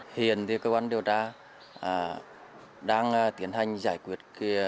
hiện thì cơ quan điều tra đang tiến hành giải quyết